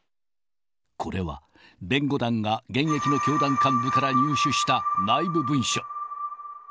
これは弁護団が現役の教団幹部から入手した内部文書。